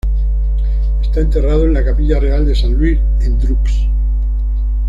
Está enterrado en la Capilla Real de Saint Louis, en Dreux.